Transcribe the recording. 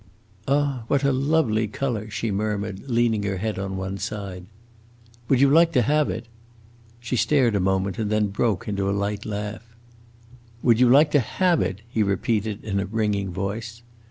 "Ah, what a lovely color!" she murmured, leaning her head on one side. "Would you like to have it?" She stared a moment and then broke into a light laugh. "Would you like to have it?" he repeated in a ringing voice.